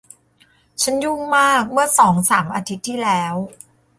ฉันยุ่งมากเมื่อสองสามอาทิตย์ที่แล้ว